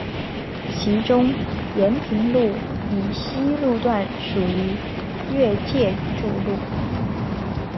其中延平路以西路段属于越界筑路。